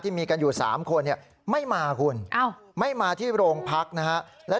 ที่มีกันอยู่๓คนไม่มาครับ